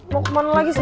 mau kemana lagi sih